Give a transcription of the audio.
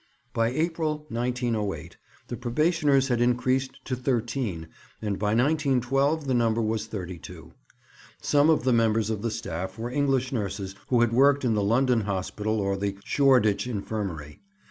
By April, 1908, the probationers had increased to thirteen; and by 1912 the number was thirty two. Some of the members of the staff were English nurses who had worked in the London Hospital or the Shoreditch Infirmary.